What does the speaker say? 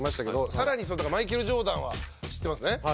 更にマイケル・ジョーダンは知ってますね。